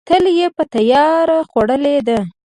تل یې په تیاره خوړلې ده.